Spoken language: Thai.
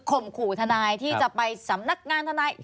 มขู่ทนายที่จะไปสำนักงานทนาย